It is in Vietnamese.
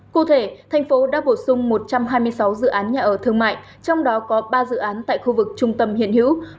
cụ thể thành phố đã bổ sung một trăm hai mươi sáu dự án nhà ở thương mại trong đó có ba dự án tại khu vực trung tâm hiện hữu